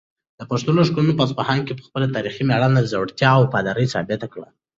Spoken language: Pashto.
د پښتنو لښکر په اصفهان کې خپله تاریخي مېړانه، زړورتیا او وفاداري ثابته کړه.